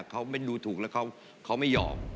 เขาดูถูกแล้วเขาไม่ยอม